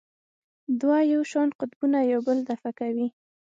دوه یو شان قطبونه یو بل دفع کوي.